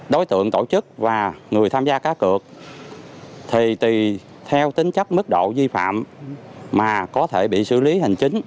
đối tượng tổ chức và người tham gia cá cực thì tùy theo tính chấp mức độ di phạm mà có thể bị xử lý hành chính